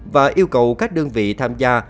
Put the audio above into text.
và yêu cầu các đơn vị tham gia